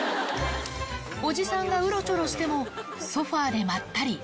おじさんがうろちょろしても、ソファでまったり。